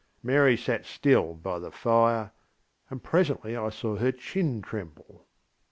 Mary sat still by the fire, and presently I saw her chin tremble.